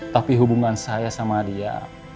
tapi hubungan saya sama dia